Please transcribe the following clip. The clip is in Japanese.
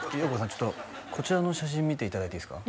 ちょっとこちらの写真見ていただいていいですか？